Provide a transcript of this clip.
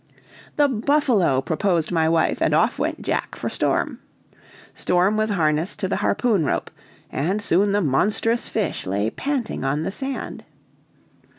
"The buffalo!" proposed my wife, and off went Jack for Storm. Storm was harnessed to the harpoon rope, and soon the monstrous fish lay panting on the sand.